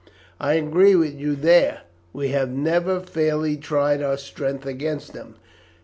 "I agree with you there. We have never fairly tried our strength against them.